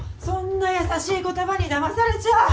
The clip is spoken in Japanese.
そんな優しい言葉にだまされちゃ。